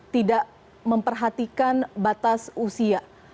tidak memperhatikan batas usia